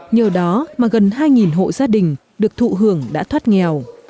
nhờ đó mà gần hai hộ gia đình được thụ hưởng đã thoát nghèo